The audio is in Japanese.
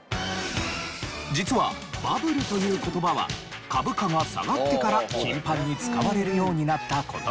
実はバブルという言葉は株価が下がってから頻繁に使われるようになった言葉で。